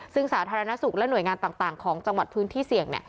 ซึ่งสาธารณสุขและหน่วยงานต่างของจังหวัดพื้นที่เสี่ยง